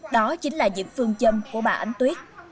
đó chính là những phương châm của bà ánh tuyết